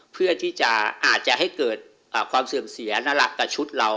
เพื่อที่จะอาจจะให้เกิดความเสื่อมเสียน่ารักกับชุดเรา